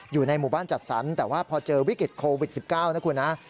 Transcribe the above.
อยู่ในหมู่บ้านจัดสรรแต่ว่าพอเจอวิกฤตโควิด๑๙นะคุณนะ